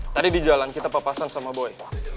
tadi di jalan kita papasan sama boy